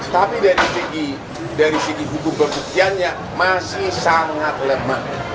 tapi dari segi hukum pembuktiannya masih sangat lemah